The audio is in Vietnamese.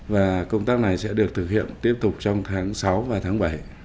và công tác này sẽ được thực hiện tiếp tục trong tháng sáu và tháng bảy